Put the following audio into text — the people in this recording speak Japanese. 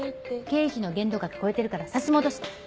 経費の限度額超えてるから差し戻して。